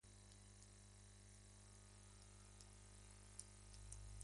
La ciudad seguía en pie en el momento de Eusebio.